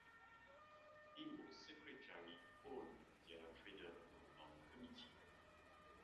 He was Secretary All India Freedom Movement Committee.